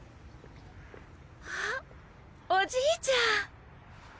あっおじいちゃん！